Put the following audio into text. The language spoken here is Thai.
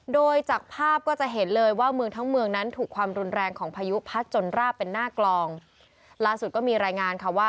โดยจากภาพก็จะเห็นเลยว่าเมืองทั้งเมืองนั้นถูกความรุนแรงของพายุพัดจนร่าเป็นหน้ากลอง